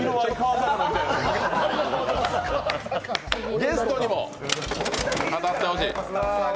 ゲストにも当たってほしい。